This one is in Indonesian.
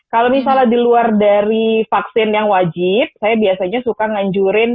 kalau misalnya di luar dari vaksin yang wajib saya biasanya suka nganjurin